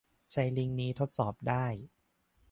ใช้ลิงก์นี้ทดสอบได้